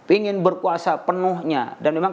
ingin berkuasa penuhnya dan memang